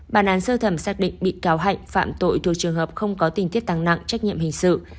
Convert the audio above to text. bản án sơ thẩm xác định bị cáo hạnh phạm tội thuộc trường hợp không có tình tiết tăng nặng trách nhiệm hình sự